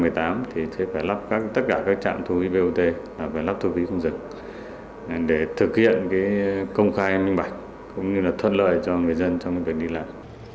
hết hai nghìn một mươi tám thì phải lắp tất cả các trạm thu phí bot phải lắp thu phí không dừng để thực hiện công khai minh bạch cũng như thuận lợi cho người dân trong việc đi lại